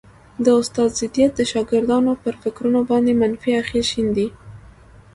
د استاد ضدیت د شاګردانو پر فکرونو باندي منفي اغېز شیندي